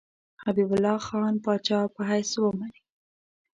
حبیب الله خان پاچا په حیث ومني.